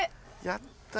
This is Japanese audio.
やった。